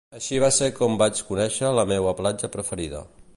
Així va ser com vaig conéixer la meua platja preferida.